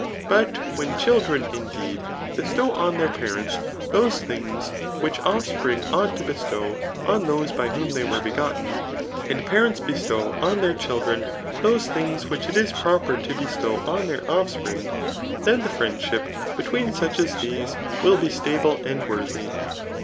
But when children, indeed, bestow on their parents those things which oflfspring ought to bestow on those by whom they were begotten, and parents bestow on their children those things which it is proper to bestow on their offspring, then the friendship between such as these will be stable and worthy.